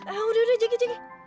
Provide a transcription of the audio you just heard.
eh udah udah jagi jagi